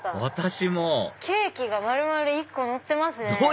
私もケーキが丸々１個のってますね。